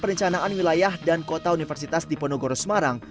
perencanaan wilayah dan kota universitas diponegoro semarang